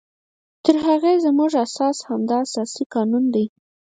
تر هغې زمونږ اساس همدا اساسي قانون دی